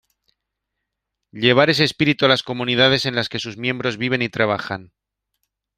Llevar ese espíritu a las comunidades en las que sus miembros viven y trabajan.